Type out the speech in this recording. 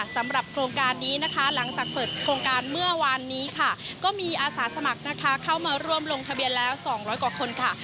สำหรับโครงการนี้นะคะหลังจากเปิดโครงการเมื่อวานนี้ค่ะก็มีอาสาสมัครนะคะเข้ามาร่วมลงทะเบียนแล้ว๒๐๐กว่าคนค่ะ